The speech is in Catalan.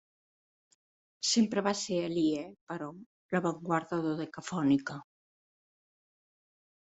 Sempre va ser aliè, però, l'avantguarda dodecafònica.